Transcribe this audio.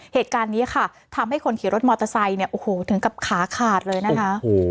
เหตุการณ์นี้ค่ะทำให้คนขี่รถมอเตอร์ไซค์เนี่ยโอ้โหถึงกับขาขาดเลยนะคะ